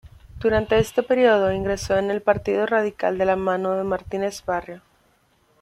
Durante este periodo, ingresó en el Partido Radical de la mano de Martínez Barrio.